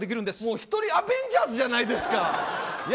１人アベンジャーズじゃないですか。